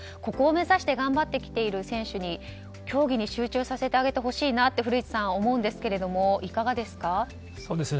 ここを目指して頑張ってきている選手に競技に集中させてあげてほしいと古市さん思うんですけれどもいかがですか。